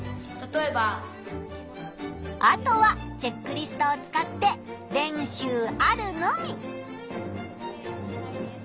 あとはチェックリストを使って練習あるのみ！